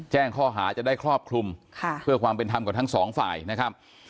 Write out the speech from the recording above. แจ้งข้อหาจะได้ครอบคลุมเพื่อความเป็นธรรมกับทั้งสองฝ่ายนะครับ